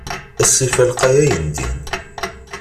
Asif-a lqay ayendin.